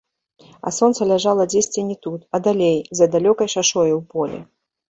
А сонца ляжала дзесьці не тут, а далей, за далёкай шашою ў полі.